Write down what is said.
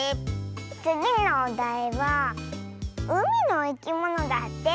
つぎのおだいは「うみのいきもの」だって！